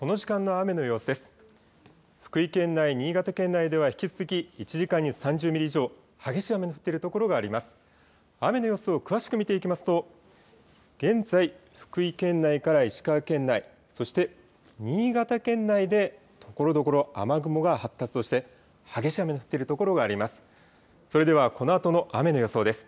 雨の様子を詳しく見ていきますと、現在、福井県内から石川県内、そして新潟県内で、ところどころ雨雲が発達をして、激しい雨の降っている所があります。